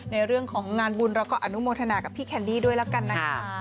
ในเรื่องของงานบุญเราก็อนุโมทนากับพี่แคนดี้ด้วยแล้วกันนะคะ